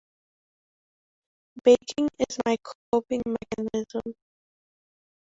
Baking is my coping mechanism.